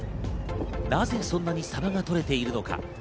なぜそんなにサバが取れているのか？